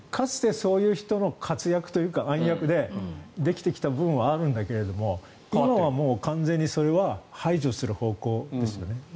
かつてそういう人の活躍というか暗躍でできてきた部分はあるんだけど今はもう完全にそれは排除する方向ですよね。